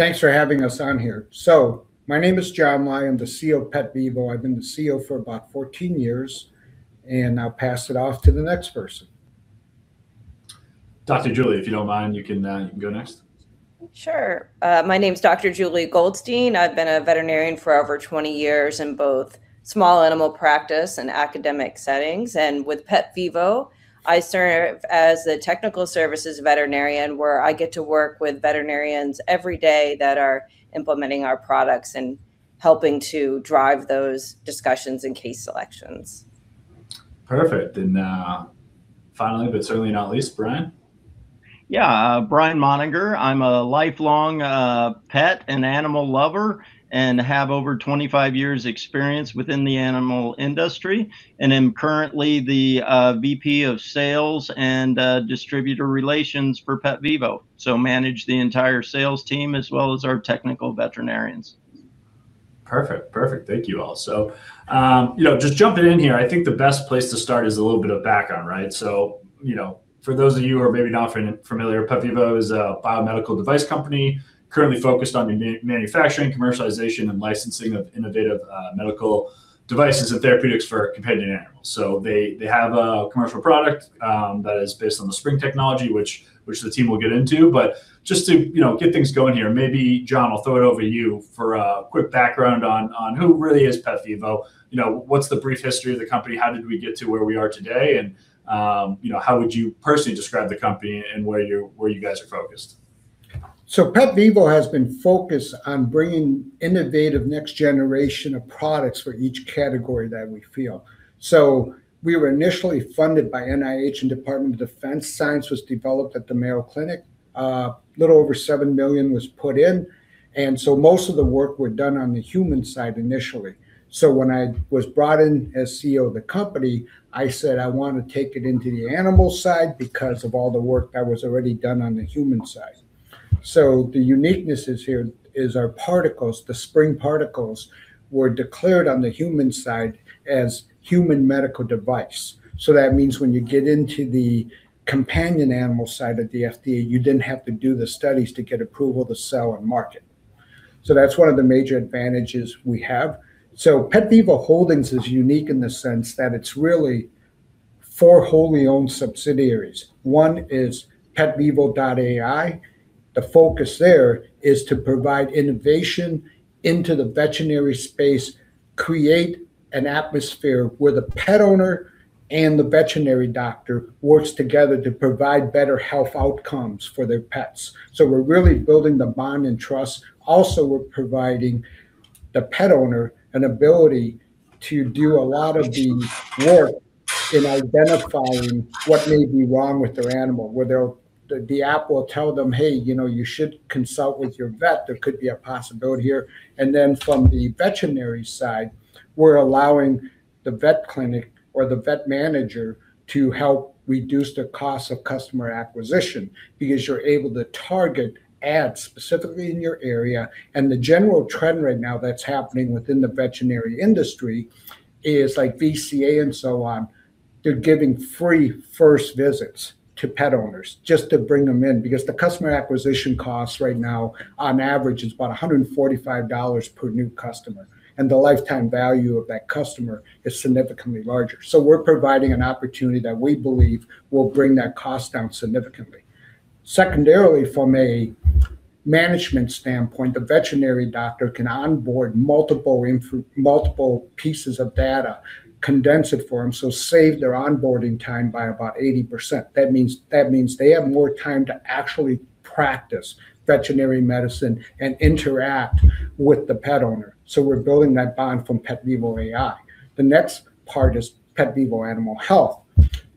Thanks for having us on here. My name is John Lai. I'm the CEO of PetVivo. I've been the CEO for about 14 years. I'll pass it off to the next person. Dr. Juli, if you don't mind, you can go next. Sure. My name's Dr. Juli Goldstein. I've been a veterinarian for over 20 years in both small animal practice and academic settings. With PetVivo, I serve as the Technical Service Veterinarian, where I get to work with veterinarians every day that are implementing our products and helping to drive those discussions and case selections. Perfect. Finally, certainly not least, Bryan. Yeah. Bryan Monninger. I'm a lifelong pet and animal lover, and have over 25 years experience within the animal industry, and am currently the VP of Sales and Distributor Relations for PetVivo. Manage the entire sales team as well as our technical veterinarians. Perfect. Thank you all. Just jumping in here, I think the best place to start is a little bit of background. For those of you who are maybe not familiar, PetVivo is a biomedical device company currently focused on the manufacturing, commercialization, and licensing of innovative medical devices and therapeutics for companion animals. They have a commercial product that is based on the Spryng technology, which the team will get into. Just to get things going here, maybe, John, I'll throw it over to you for a quick background on who really is PetVivo. What's the brief history of the company? How did we get to where we are today, and how would you personally describe the company and where you guys are focused? PetVivo has been focused on bringing innovative, next generation of products for each category that we field. We were initially funded by NIH and Department of Defense. Science was developed at the Mayo Clinic. A little over $7 million was put in, and so most of the work were done on the human side initially. When I was brought in as CEO of the company, I said I want to take it into the animal side because of all the work that was already done on the human side. The uniqueness is here is our particles, the Spryng particles, were declared on the human side as human medical device. That means when you get into the companion animal side of the FDA, you didn't have to do the studies to get approval to sell and market. That's one of the major advantages we have. PetVivo Holdings is unique in the sense that it's really four wholly owned subsidiaries. One is PetVivo.ai. The focus there is to provide innovation into the veterinary space, create an atmosphere where the pet owner and the veterinary doctor works together to provide better health outcomes for their pets. We're really building the bond and trust. Also, we're providing the pet owner an ability to do a lot of the work in identifying what may be wrong with their animal, where the app will tell them, "Hey, you should consult with your vet. There could be a possibility here." From the veterinary side, we're allowing the vet clinic or the vet manager to help reduce the cost of customer acquisition because you're able to target ads specifically in your area. The general trend right now that's happening within the veterinary industry is, like VCA and so on, they're giving free first visits to pet owners just to bring them in because the customer acquisition cost right now on average is about $145 per new customer, and the lifetime value of that customer is significantly larger. We're providing an opportunity that we believe will bring that cost down significantly. Secondarily, from a management standpoint, the veterinary doctor can onboard multiple pieces of data, condense it for them, save their onboarding time by about 80%. That means they have more time to actually practice veterinary medicine and interact with the pet owner. We're building that bond from PetVivo.ai. The next part is PetVivo Animal Health.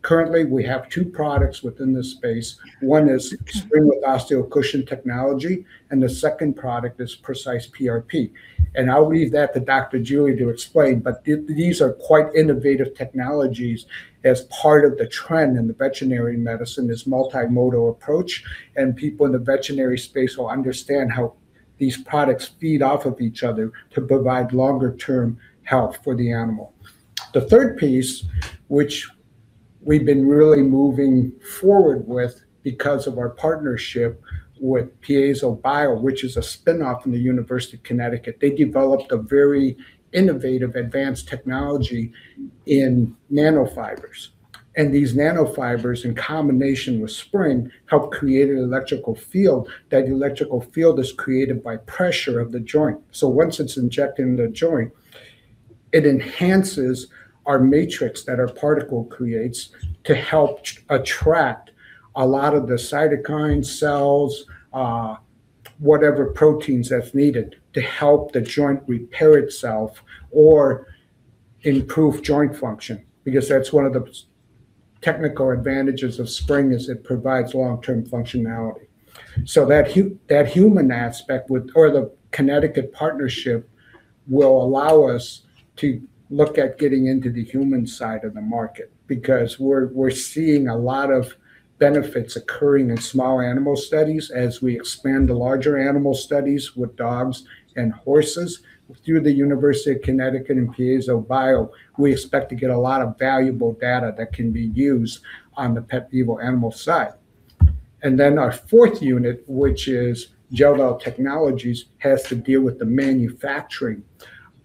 Currently, we have two products within this space. One is Spryng with OsteoCushion Technology, the second product is PrecisePRP, and I'll leave that to Dr. Juli to explain, but these are quite innovative technologies as part of the trend in the veterinary medicine, this multimodal approach, and people in the veterinary space will understand how these products feed off of each other to provide longer-term health for the animal. The third piece, which we've been really moving forward with because of our partnership with PiezoBio, which is a spinoff from the University of Connecticut. They developed a very innovative advanced technology in nanofibers. These nanofibers, in combination with Spryng, help create an electrical field. That electrical field is created by pressure of the joint. Once it's injected in the joint, it enhances our matrix that our particle creates to help attract a lot of the cytokine cells, whatever proteins that's needed to help the joint repair itself or improve joint function. Because that's one of the technical advantages of Spryng is it provides long-term functionality. That human aspect with the Connecticut partnership will allow us to look at getting into the human side of the market because we're seeing a lot of benefits occurring in small animal studies as we expand to larger animal studies with dogs and horses. Through the University of Connecticut and PiezoBio, we expect to get a lot of valuable data that can be used on the PetVivo Animal side. Our fourth unit, which is Gel-Del Technologies, has to deal with the manufacturing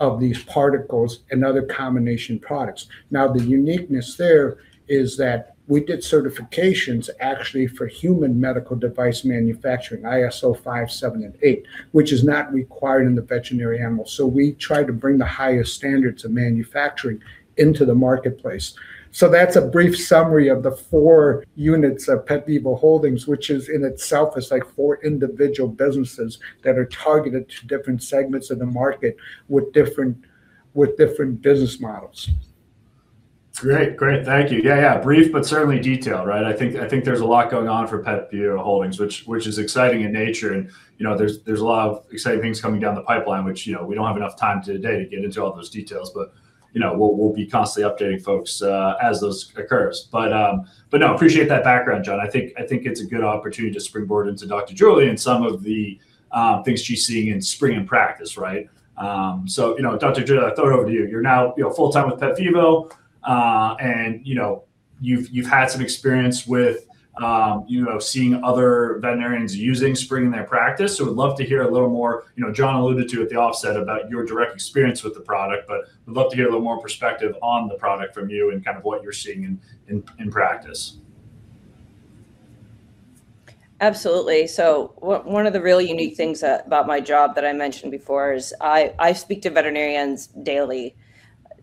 of these particles and other combination products. The uniqueness there is that we did certifications actually for human medical device manufacturing, ISO 5, 7, and 8, which is not required in the veterinary animal. We try to bring the highest standards of manufacturing into the marketplace. That's a brief summary of the four units of PetVivo Holdings, which is in itself is like four individual businesses that are targeted to different segments of the market with different business models. Great. Thank you. Yeah. Brief, but certainly detailed, right? I think there's a lot going on for PetVivo Holdings, which is exciting in nature, and there's a lot of exciting things coming down the pipeline, which we don't have enough time today to get into all those details, but we'll be constantly updating folks as those occurs. Appreciate that background, John. I think it's a good opportunity to springboard into Dr. Juli and some of the things she's seeing in Spryng in practice, right? Dr. Juli, I throw it over to you. You're now full-time with PetVivo. You've had some experience with seeing other veterinarians using Spryng in their practice. We'd love to hear a little more. John alluded to at the offset about your direct experience with the product, we'd love to hear a little more perspective on the product from you and kind of what you're seeing in practice. Absolutely. One of the really unique things about my job that I mentioned before is I speak to veterinarians daily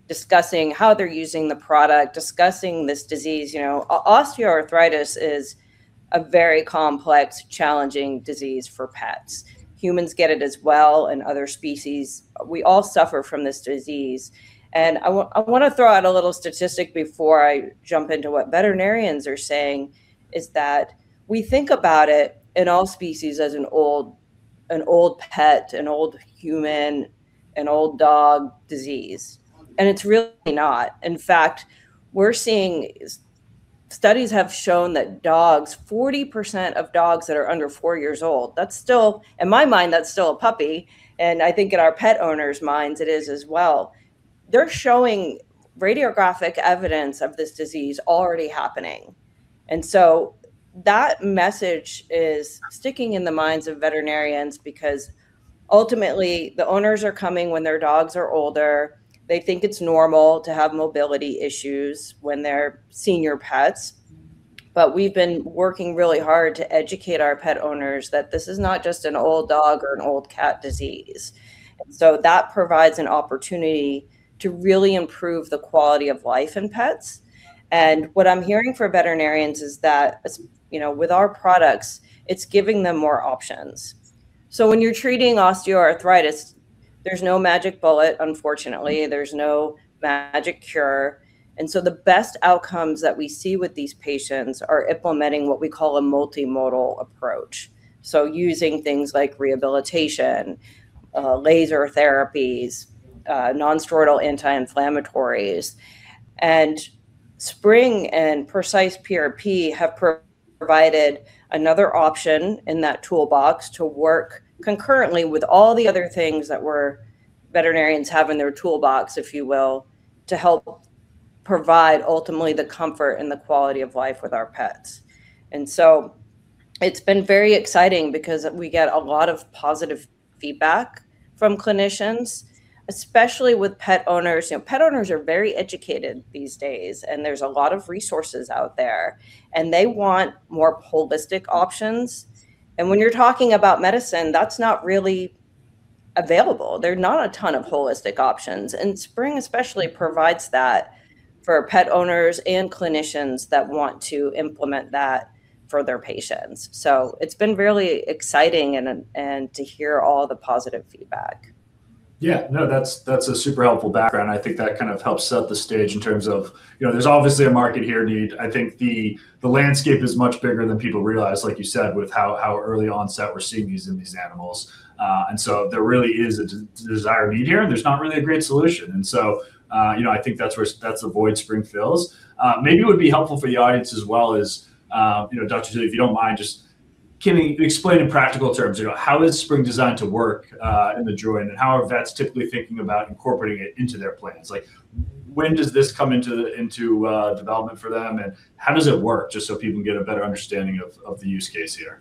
discussing how they're using the product, discussing this disease. osteoarthritis is a very complex, challenging disease for pets. Humans get it as well and other species. We all suffer from this disease. I want to throw out a little statistic before I jump into what veterinarians are saying, is that we think about it in all species as an old pet, an old human, an old dog disease. It's really not. In fact, studies have shown that 40% of dogs that are under four years old, in my mind, that's still a puppy, and I think in our pet owners' minds it is as well. They're showing radiographic evidence of this disease already happening. That message is sticking in the minds of veterinarians because ultimately the owners are coming when their dogs are older. They think it's normal to have mobility issues when they're senior pets. We've been working really hard to educate our pet owners that this is not just an old dog or an old cat disease. That provides an opportunity to really improve the quality of life in pets. What I'm hearing from veterinarians is that with our products, it's giving them more options. When you're treating osteoarthritis, there's no magic bullet, unfortunately. There's no magic cure. The best outcomes that we see with these patients are implementing what we call a multimodal approach. Using things like rehabilitation, laser therapies, non-steroidal anti-inflammatories. Spryng and PrecisePRP have provided another option in that toolbox to work concurrently with all the other things that veterinarians have in their toolbox, if you will, to help provide ultimately the comfort and the quality of life with our pets. It's been very exciting because we get a lot of positive feedback from clinicians, especially with pet owners. Pet owners are very educated these days, and there's a lot of resources out there, and they want more holistic options. When you're talking about medicine, that's not really available. There are not a ton of holistic options. Spryng especially provides that for pet owners and clinicians that want to implement that for their patients. It's been really exciting and to hear all the positive feedback. No, that's a super helpful background. I think that kind of helps set the stage in terms of there's obviously a market here need. I think the landscape is much bigger than people realize, like you said, with how early onset we're seeing these in these animals. There really is a desire and need here, and there's not really a great solution. I think that's a void Spryng fills. Maybe it would be helpful for the audience as well as, Dr. Juli, if you don't mind, just can you explain in practical terms, how is Spryng designed to work, in the joint, and how are vets typically thinking about incorporating it into their plans? When does this come into development for them, and how does it work, just so people can get a better understanding of the use case here?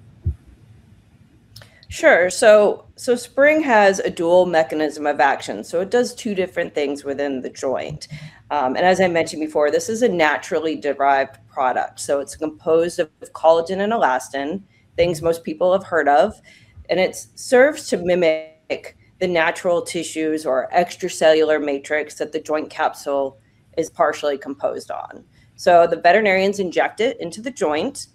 Sure. Spryng has a dual mechanism of action, so it does two different things within the joint. As I mentioned before, this is a naturally derived product. It's composed of collagen and elastin, things most people have heard of, and it serves to mimic the natural tissues or extracellular matrix that the joint capsule is partially composed on. The veterinarians inject it into the joint,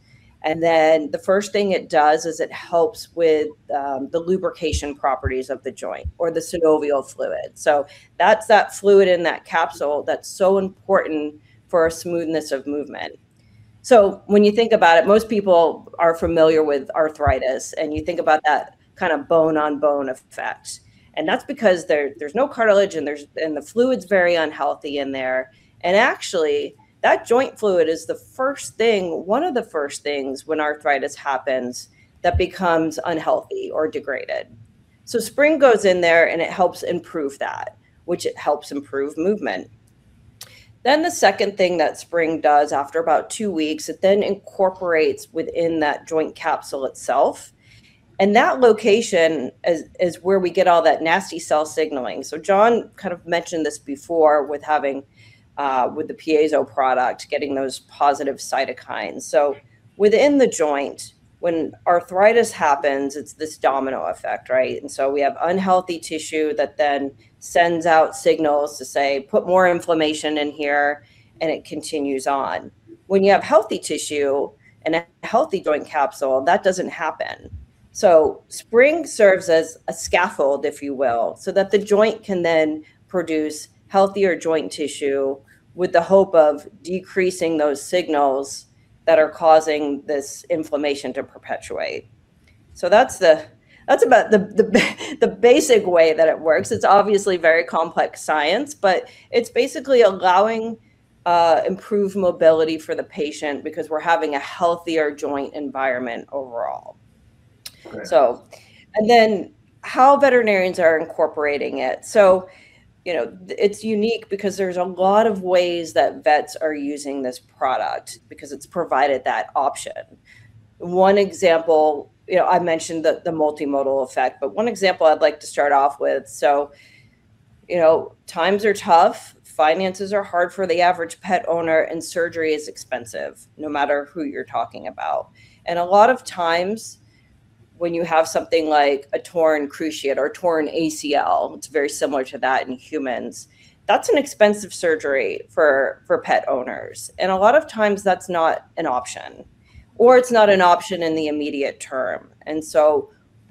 the first thing it does is it helps with the lubrication properties of the joint or the synovial fluid. That's that fluid in that capsule that's so important for our smoothness of movement. When you think about it, most people are familiar with arthritis, and you think about that kind of bone-on-bone effect. That's because there's no cartilage and the fluid's very unhealthy in there. Actually, that joint fluid is one of the first things when arthritis happens that becomes unhealthy or degraded. Spryng goes in there, and it helps improve that, which it helps improve movement. The second thing that Spryng does after about two weeks, it then incorporates within that joint capsule itself. That location is where we get all that nasty cell signaling. John kind of mentioned this before with the piezo product, getting those positive cytokines. Within the joint, when arthritis happens, it's this domino effect, right? We have unhealthy tissue that then sends out signals to say, "Put more inflammation in here," and it continues on. When you have healthy tissue and a healthy joint capsule, that doesn't happen. Spryng serves as a scaffold, if you will, so that the joint can then produce healthier joint tissue with the hope of decreasing those signals that are causing this inflammation to perpetuate. That's about the basic way that it works. It's obviously very complex science, but it's basically allowing improved mobility for the patient because we're having a healthier joint environment overall. Great. How veterinarians are incorporating it. It's unique because there's a lot of ways that vets are using this product because it's provided that option. One example, I mentioned the multimodal effect, but one example I'd like to start off with. Times are tough, finances are hard for the average pet owner, and surgery is expensive no matter who you're talking about. A lot of times, when you have something like a torn cruciate or torn ACL, it's very similar to that in humans. That's an expensive surgery for pet owners. A lot of times that's not an option, or it's not an option in the immediate term.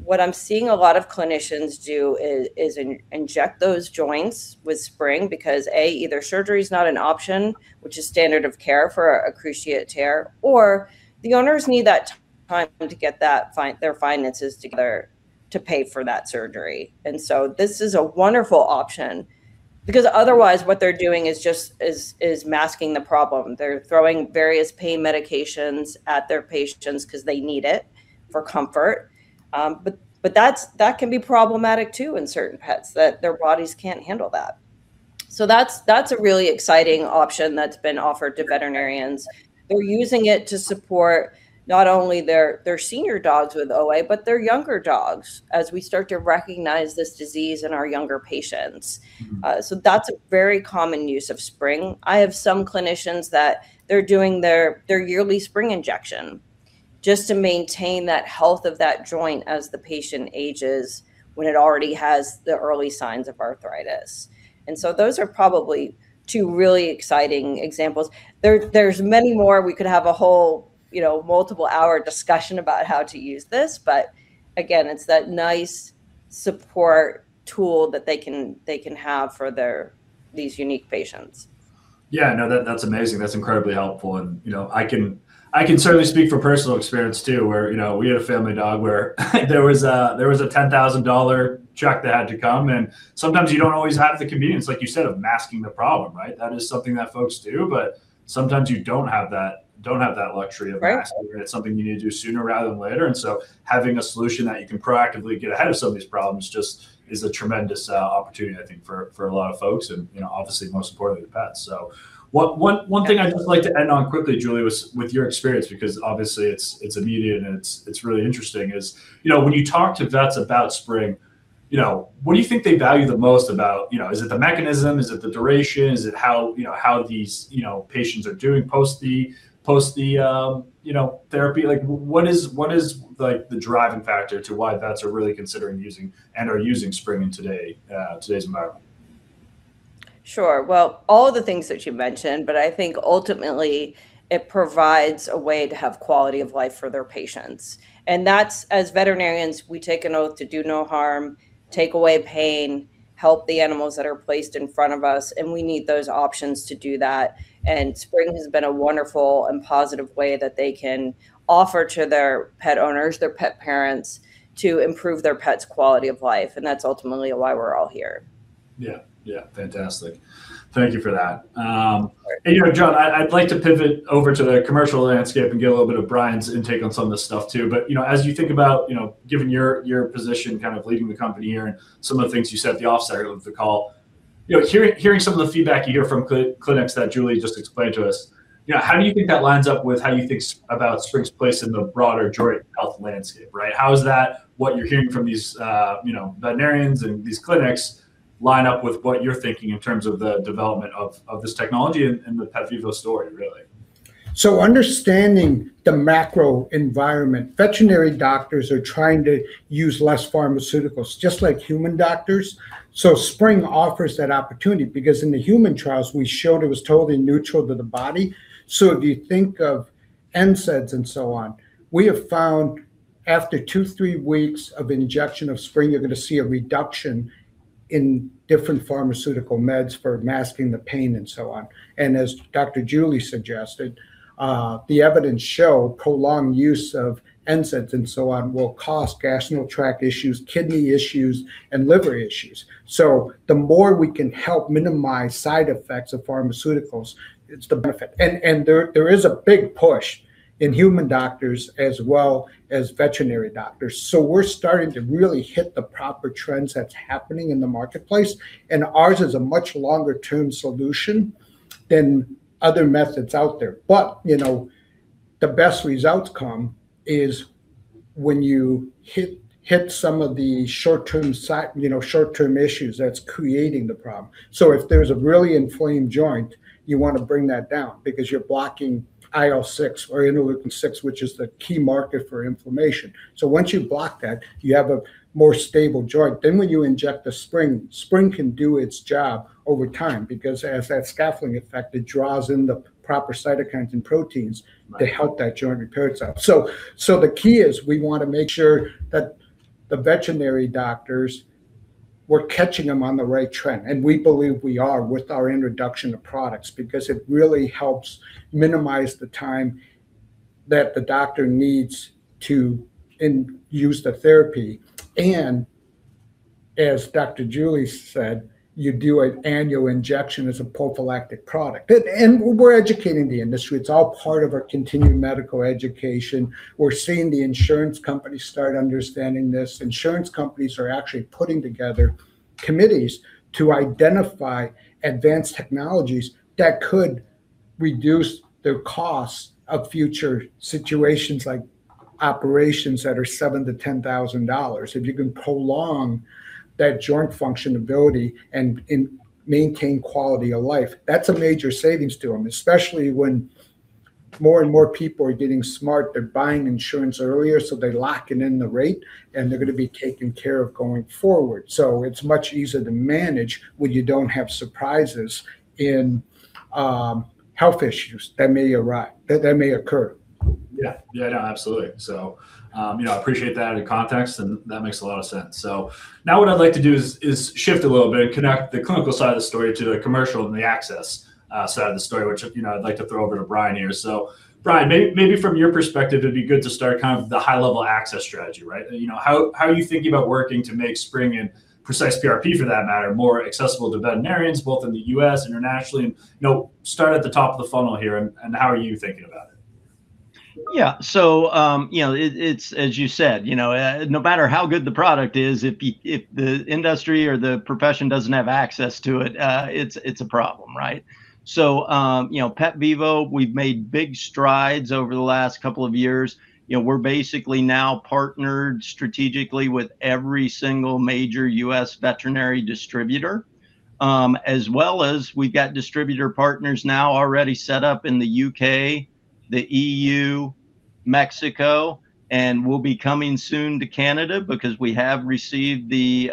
What I'm seeing a lot of clinicians do is inject those joints with Spryng because, A, either surgery's not an option, which is standard of care for a cruciate tear, or the owners need that time to get their finances together to pay for that surgery. This is a wonderful option because otherwise, what they're doing is masking the problem. They're throwing various pain medications at their patients because they need it for comfort. That can be problematic too in certain pets, that their bodies can't handle that. That's a really exciting option that's been offered to veterinarians. They're using it to support not only their senior dogs with OA, but their younger dogs as we start to recognize this disease in our younger patients. That's a very common use of Spryng. I have some clinicians that they're doing their yearly Spryng injection just to maintain that health of that joint as the patient ages when it already has the early signs of arthritis. Those are probably two really exciting examples. There's many more. We could have a whole multiple-hour discussion about how to use this, but again, it's that nice support tool that they can have for these unique patients. Yeah, no, that's amazing. That's incredibly helpful, and I can certainly speak from personal experience, too, where we had a family dog where there was a $10,000 check that had to come, and sometimes you don't always have the convenience, like you said, of masking the problem, right? That is something that folks do, but sometimes you don't have that luxury of Right masking it. It's something you need to do sooner rather than later. Having a solution that you can proactively get ahead of some of these problems just is a tremendous opportunity, I think, for a lot of folks and obviously most importantly, the pets. One thing I'd just like to end on quickly, Juli, with your experience, because obviously it's immediate and it's really interesting, is when you talk to vets about Spryng, what do you think they value the most about? Is it the mechanism? Is it the duration? Is it how these patients are doing post the therapy? What is the driving factor to why vets are really considering using and are using Spryng in today's environment? Sure. All of the things that you mentioned, but I think ultimately it provides a way to have quality of life for their patients. That's, as veterinarians, we take an oath to do no harm, take away pain, help the animals that are placed in front of us, and we need those options to do that. Spryng has been a wonderful and positive way that they can offer to their pet owners, their pet parents, to improve their pet's quality of life. That's ultimately why we're all here. Yeah. Fantastic. Thank you for that. John, I'd like to pivot over to the commercial landscape and get a little bit of Bryan's intake on some of this stuff, too. As you think about, given your position kind of leading the company here and some of the things you said at the offset of the call, hearing some of the feedback you hear from clinics that Juli just explained to us, how do you think that lines up with how you think about Spryng's place in the broader joint health landscape, right? How is that, what you're hearing from these veterinarians and these clinics, line up with what you're thinking in terms of the development of this technology and the PetVivo story, really? Understanding the macro environment, veterinary doctors are trying to use less pharmaceuticals just like human doctors. Spryng offers that opportunity because in the human trials, we showed it was totally neutral to the body. If you think of NSAIDs and so on, we have found after two, three weeks of injection of Spryng, you're going to see a reduction in different pharmaceutical meds for masking the pain and so on. As Dr. Juli suggested, the evidence show prolonged use of NSAIDs and so on will cause gastrointestinal tract issues, kidney issues, and liver issues. The more we can help minimize side effects of pharmaceuticals, it's the benefit. There is a big push in human doctors as well as veterinary doctors. We're starting to really hit the proper trends that's happening in the marketplace, and ours is a much longer-term solution than other methods out there. The best results come is when you hit some of the short-term issues that's creating the problem. If there's a really inflamed joint, you want to bring that down because you're blocking IL-6 or interleukin-6, which is the key marker for inflammation. When you inject the Spryng can do its job over time, because as that scaffolding effect, it draws in the proper cytokines and proteins to help that joint repair itself. The key is we want to make sure that the veterinary doctors, we're catching them on the right trend, and we believe we are with our introduction of products because it really helps minimize the time that the doctor needs to use the therapy. As Dr. Juli said, you do an annual injection as a prophylactic product. We're educating the industry. It's all part of our continuing medical education. We're seeing the insurance companies start understanding this. Insurance companies are actually putting together committees to identify advanced technologies that could reduce the cost of future situations, like operations that are $7,000-$10,000. If you can prolong that joint function ability and maintain quality of life, that's a major savings to them, especially when more and more people are getting smart. They're buying insurance earlier, they're locking in the rate, and they're going to be taken care of going forward. It's much easier to manage when you don't have surprises in health issues that may occur. Yeah. No, absolutely. I appreciate that in context, and that makes a lot of sense. Now what I'd like to do is shift a little bit and connect the clinical side of the story to the commercial and the access side of the story, which I'd like to throw over to Bryan here. Bryan, maybe from your perspective, it'd be good to start the high-level access strategy. Right? How are you thinking about working to make Spryng, and PrecisePRP for that matter, more accessible to veterinarians, both in the U.S., internationally, and start at the top of the funnel here, and how are you thinking about it? Yeah. It's as you said, no matter how good the product is, if the industry or the profession doesn't have access to it's a problem, right? PetVivo, we've made big strides over the last couple of years. We're basically now partnered strategically with every single major U.S. veterinary distributor. As well as we've got distributor partners now already set up in the U.K., the EU, Mexico, and we'll be coming soon to Canada because we have received the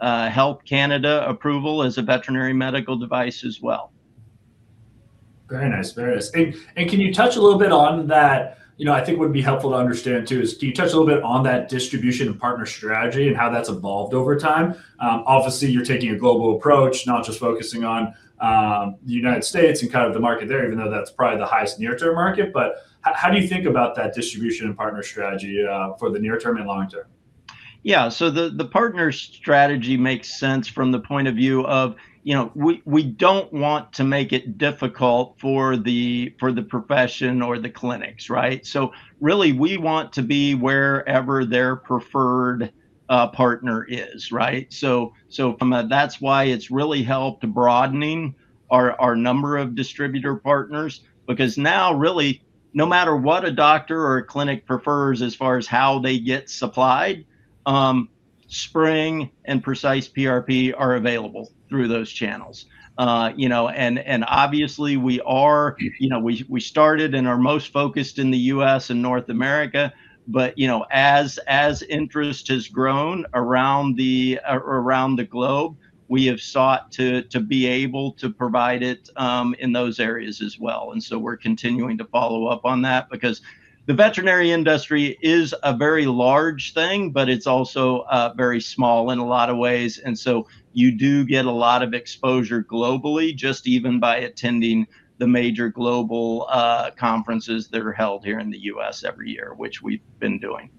Health Canada approval as a veterinary medical device as well. Very nice. Can you touch a little bit on that, I think would be helpful to understand, too, is can you touch a little bit on that distribution and partner strategy and how that's evolved over time? Obviously, you're taking a global approach, not just focusing on the United States and kind of the market there, even though that's probably the highest near-term market. How do you think about that distribution and partner strategy, for the near term and long term? Yeah. The partner strategy makes sense from the point of view of we don't want to make it difficult for the profession or the clinics, right? Really, we want to be wherever their preferred partner is, right? That's why it's really helped broadening our number of distributor partners, because now really, no matter what a doctor or a clinic prefers as far as how they get supplied, Spryng and PrecisePRP are available through those channels. Obviously, we started and are most focused in the U.S. and North America, but as interest has grown around the globe, we have sought to be able to provide it in those areas as well. We're continuing to follow up on that because the veterinary industry is a very large thing, but it's also very small in a lot of ways. You do get a lot of exposure globally, just even by attending the major global conferences that are held here in the U.S. every year, which we've been doing.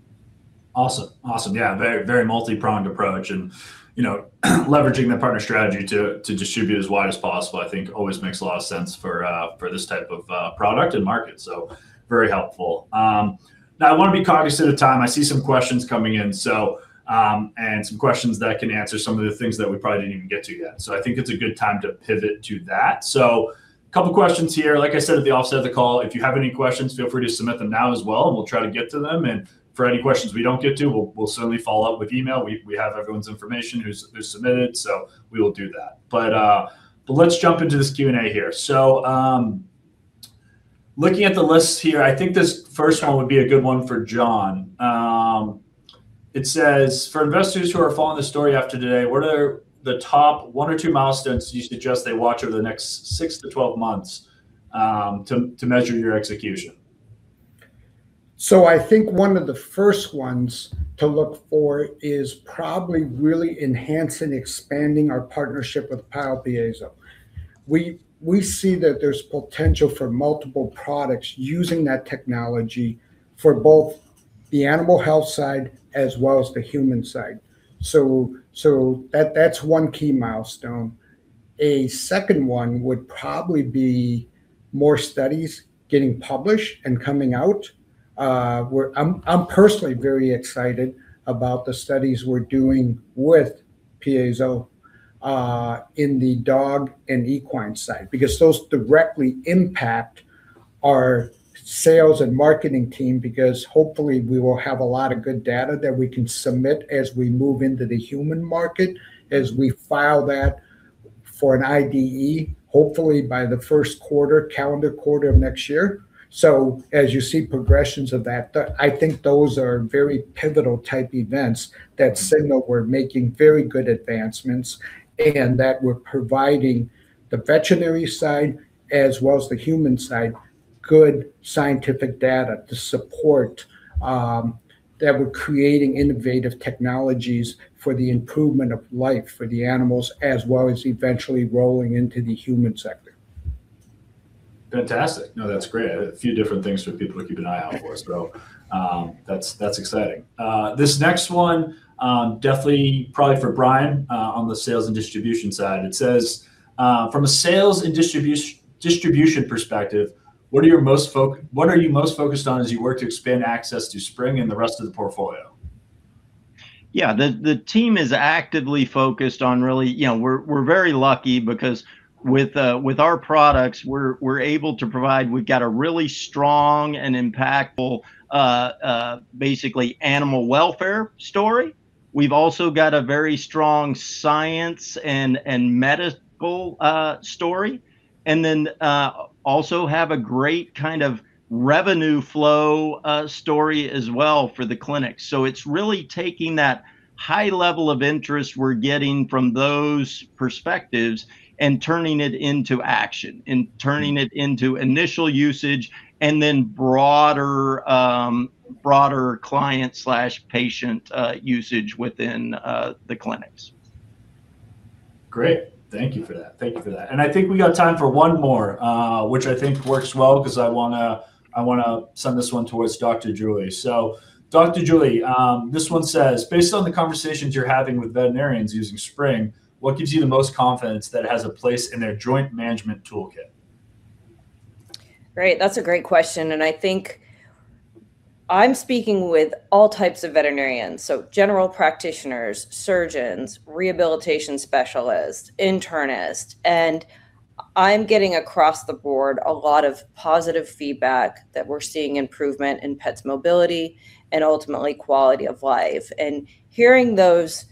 Awesome. Yeah, very multi-pronged approach and leveraging the partner strategy to distribute as wide as possible, I think always makes a lot of sense for this type of product and market. Very helpful. Now, I want to be cognizant of time. I see some questions coming in and some questions that can answer some of the things that we probably didn't even get to yet. I think it's a good time to pivot to that. A couple questions here. Like I said at the offset of the call, if you have any questions, feel free to submit them now as well, and we'll try to get to them. For any questions we don't get to, we'll certainly follow up with email. We have everyone's information who's submitted. We will do that. Let's jump into this Q&A here. Looking at the list here, I think this first one would be a good one for John. It says: For investors who are following the story after today, what are the top one or two milestones you suggest they watch over the next 6-12 months to measure your execution? I think one of the first ones to look for is probably really enhancing, expanding our partnership with Piezo. We see that there's potential for multiple products using that technology for both the animal health side as well as the human side. That's one key milestone. A second one would probably be more studies getting published and coming out, where I'm personally very excited about the studies we're doing with piezo in the dog and equine side, because those directly impact our sales and marketing team, because hopefully we will have a lot of good data that we can submit as we move into the human market, as we file that for an IDE, hopefully by the first calendar quarter of next year. As you see progressions of that, I think those are very pivotal type events that signal we're making very good advancements and that we're providing the veterinary side as well as the human side, good scientific data to support, that we're creating innovative technologies for the improvement of life for the animals, as well as eventually rolling into the human sector. Fantastic. No, that's great. A few different things for people to keep an eye out for, so that's exciting. This next one, definitely, probably for Bryan, on the sales and distribution side. It says, "From a sales and distribution perspective, what are you most focused on as you work to expand access to Spryng and the rest of the portfolio? Yeah, the team is actively focused on We're very lucky because with our products, we're able to provide, we've got a really strong and impactful, basically animal welfare story. We've also got a very strong science and medical story, and then also have a great kind of revenue flow story as well for the clinic. It's really taking that high level of interest we're getting from those perspectives and turning it into action and turning it into initial usage and then broader client/patient usage within the clinics. Great. Thank you for that. I think we got time for one more, which I think works well because I want to send this one towards Dr. Juli. Dr. Juli, this one says, "Based on the conversations you're having with veterinarians using Spryng, what gives you the most confidence that it has a place in their joint management toolkit? Great. That's a great question. I think I'm speaking with all types of veterinarians, so general practitioners, surgeons, rehabilitation specialists, internists, and I'm getting across the board a lot of positive feedback that we're seeing improvement in pets' mobility and ultimately quality of life. Hearing those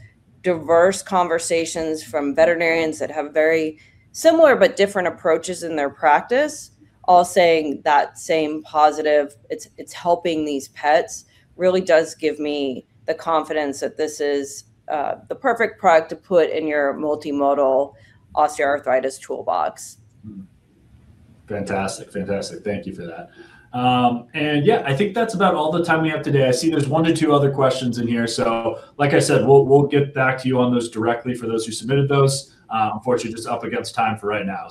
diverse conversations from veterinarians that have very similar but different approaches in their practice, all saying that same positive, "It's helping these pets," really does give me the confidence that this is the perfect product to put in your multimodal osteoarthritis toolbox. Fantastic. Thank you for that. Yeah, I think that's about all the time we have today. I see there's one to two other questions in here, so like I said, we'll get back to you on those directly for those who submitted those. Unfortunately, just up against time for right now.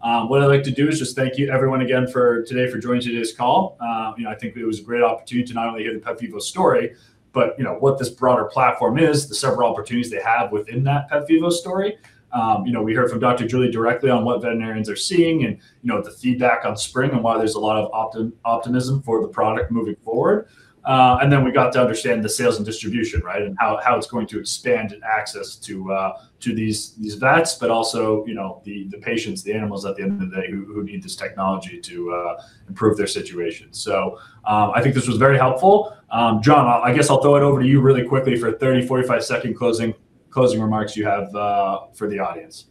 What I'd like to do is just thank you everyone again for today for joining today's call. I think it was a great opportunity to not only hear the PetVivo story, but what this broader platform is, the several opportunities they have within that PetVivo story. We heard from Dr. Juli directly on what veterinarians are seeing and the feedback on Spryng and why there's a lot of optimism for the product moving forward. Then we got to understand the sales and distribution, right? How it's going to expand access to these vets, but also the patients, the animals at the end of the day, who need this technology to improve their situation. I think this was very helpful. John, I guess I'll throw it over to you really quickly for a 30, 45-second closing remarks you have for the audience.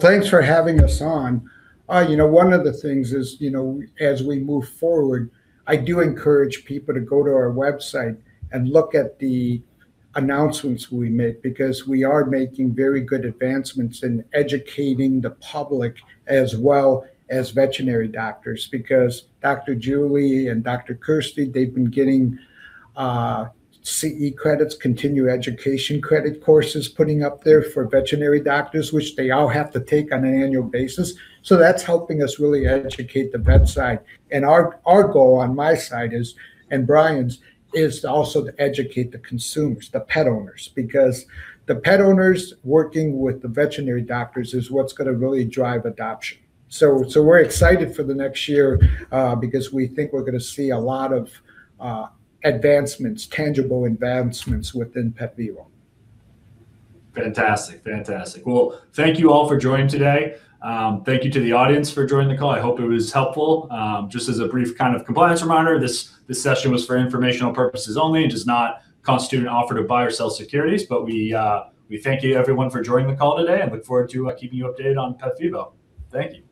Thanks for having us on. One of the things is, as we move forward, I do encourage people to go to our website and look at the announcements we make because we are making very good advancements in educating the public as well as veterinary doctors because Dr. Juli and Kirsty Husby, they've been getting CE credits, Continuing Education credit courses, putting up there for veterinary doctors, which they all have to take on an annual basis. That's helping us really educate the vet side. Our goal on my side and Bryan's, is to also to educate the consumers, the pet owners, because the pet owners working with the veterinary doctors is what's going to really drive adoption. We're excited for the next year, because we think we're going to see a lot of tangible advancements within PetVivo. Fantastic. Well, thank you all for joining today. Thank you to the audience for joining the call. I hope it was helpful. Just as a brief kind of compliance reminder, this session was for informational purposes only and does not constitute an offer to buy or sell securities. We thank you everyone for joining the call today and look forward to keeping you updated on PetVivo. Thank you.